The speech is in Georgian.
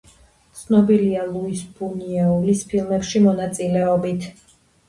ცნობილია ლუის ბუნიუელის ფილმებში მონაწილეობით.